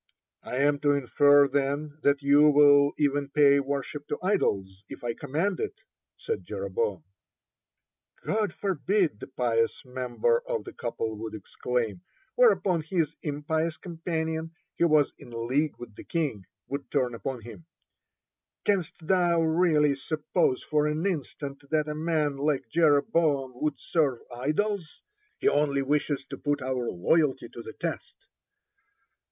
"I am to infer, then, that you will even pay worship to idols if I command it?" said Jeroboam. "God forbid !" the pious member of the couple would exclaim, whereupon his impious companion, who was in league with the king, would turn upon him: "Canst thou really suppose for an instant that a man like Jeroboam would serve idols? He only wishes to put our loyalty to the test."